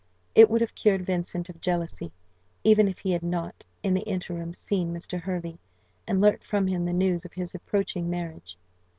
It would have cured Vincent of jealousy, even if he had not, in the interim, seen Mr. Hervey, and learnt from him the news of his approaching marriage.